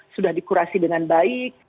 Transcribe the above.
sudah di kurasi dengan baik